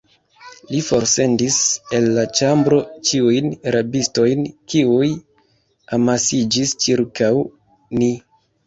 Li forsendis el la ĉambro ĉiujn rabistojn, kiuj amasiĝis ĉirkaŭ ni.